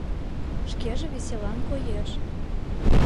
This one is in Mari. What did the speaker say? Шкеже веселан коеш.